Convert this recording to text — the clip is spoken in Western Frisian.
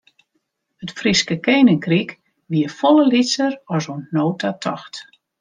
It Fryske keninkryk wie folle lytser as oant no ta tocht.